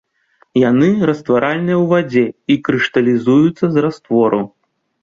Яны растваральныя ў вадзе і крышталізуюцца з раствораў.